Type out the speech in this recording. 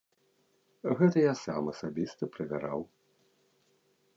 Гэта я сам асабіста правяраў.